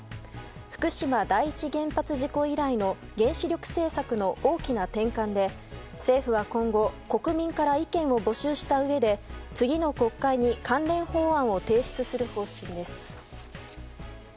福島第一原発事故以来の原子力政策の大きな転換で政府は今後、国民から意見を募集したうえで次の国会に関連法案を提出する方針です。